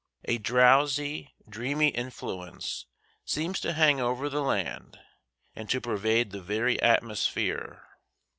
A drowsy, dreamy influence seems to hang over the land and to pervade the very atmosphere.